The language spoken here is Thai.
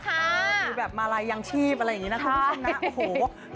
ดีแบบมาลัยยังชีพอะไรอย่างนี้นะครับคุณผู้ชมนะ